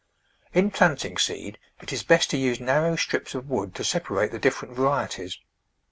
In planting seed it is best to use narrow strips of wood to separate the different varieties.